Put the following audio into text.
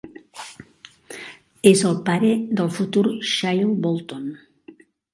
És el pare del futur Shai Bolton.